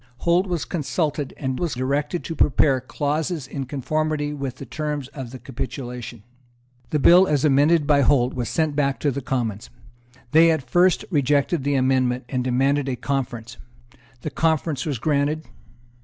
Holt was consulted, and was directed to prepare clauses in conformity with the terms of the capitulation. The bill, as amended by Holt, was sent back to the Commons. They at first rejected the amendment, and demanded a conference. The conference was granted.